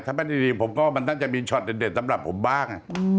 ถ้าไม่ดีผมก็มันน่าจะมีเฉาะเด่นสำหรับผมบ้าง